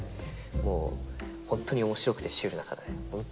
もう本当に面白くてシュールな方で本当